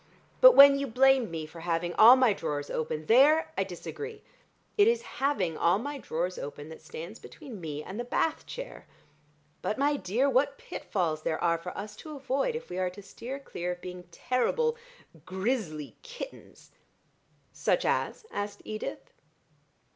But when you blame me for having all my drawers open, there I disagree. It is having all my drawers open that stands between me and the bath chair. But, my dear, what pitfalls there are for us to avoid, if we are to steer clear of being terrible, grizzly kittens." "Such as?" asked Edith.